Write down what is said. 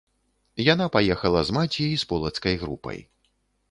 Яна паехала з маці і з полацкай групай.